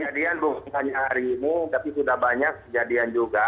kejadian bukan hanya hari ini tapi sudah banyak kejadian juga